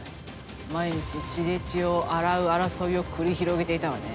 毎日血で血を洗う争いを繰り広げていたわね。